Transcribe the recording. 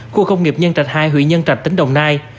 khu công nghiệp nhân trạch hai huyện nhân trạch tỉnh đồng nai